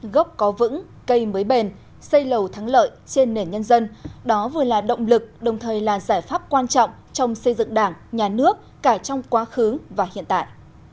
gốc có vững cây mới bền xây lầu thắng lợi trên nền nhân dân đó vừa là động lực đồng thời là giải pháp quan trọng trong xây dựng đảng nhà nước cả trong quá khứ và hiện tại